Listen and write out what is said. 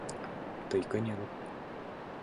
Тый кынел!